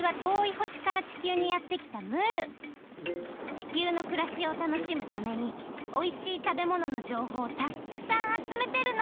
地球のくらしをたのしむためにおいしい食べもののじょうほうをたっくさんあつめてるの！